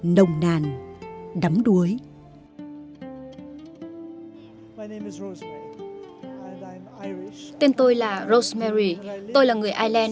nồng nàn đắm đuối